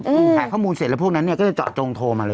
หาข้อมูลเสร็จแล้วพวกนั้นเนี่ยก็จะเจาะจงโทรมาเลย